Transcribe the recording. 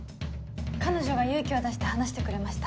彼女が勇気を出して話してくれました。